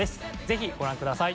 爾ご覧ください。